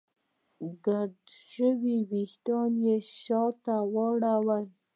ګډوډ شوي وېښتان يې شاته واړول.